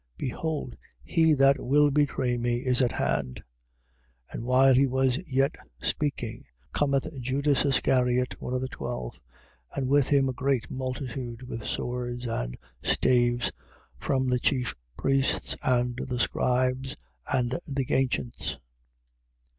Behold, he that will betray me is at hand. 14:43. And while he was yet speaking, cometh Judas Iscariot, one of the twelve: and with him a great multitude with swords and staves, from the chief priests and the scribes and the ancients.